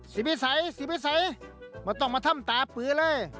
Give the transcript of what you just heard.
สิบิสัยมาต้องมาถ้ำตาปื๊อเลย